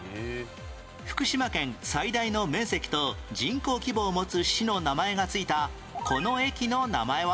福島県最大の面積と人口規模を持つ市の名前が付いたこの駅の名前は？